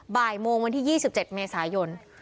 บ่ายโมงวันที่๒๗เมษายน